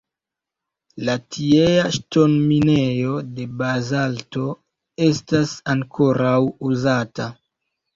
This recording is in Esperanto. La tiea ŝtonminejo de bazalto estas ankoraŭ uzata.